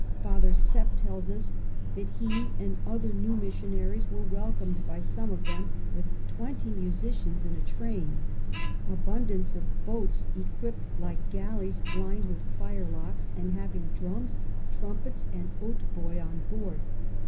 Father Sepp tells us, that he and other new Missionaries were welcom'd by some of them with 20 Musicians in a Train, abundance of Boats equip'd like Galleys lin'd with Firelocks, and having Drums, Trumpets, and Hautboys on board.